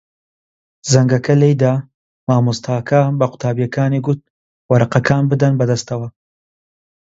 زەنگەکە لێی دا. مامۆستاکە بە قوتابییەکانی گوت وەرەقەکان بدەن بەدەستەوە.